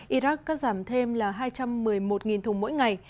iraq cắt giảm thêm là hai trăm một mươi một thùng mỗi ngày